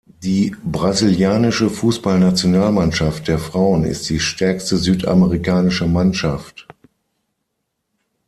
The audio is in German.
Die brasilianische Fußballnationalmannschaft der Frauen ist die stärkste südamerikanische Mannschaft.